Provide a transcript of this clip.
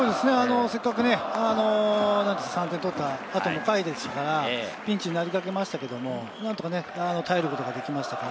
せっかく３点取った後の回ですから、ピンチになりかけましたけど、なんとか耐えることができました。